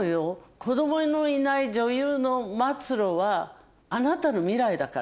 子供のいない女優の末路はあなたの未来だから。